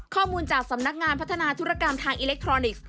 ข้อมูลจากสำนักงานพัฒนาธุรกรรมทางอิเล็กทรอนิกส์